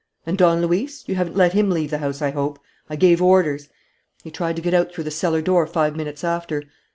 "And Don Luis? You haven't let him leave the house, I hope? I gave orders." "He tried to get out through the cellar door five minutes after."